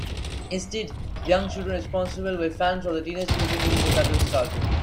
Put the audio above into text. Instead, the young children responsible were fans of the "Teenage Mutant Ninja Turtles" cartoon.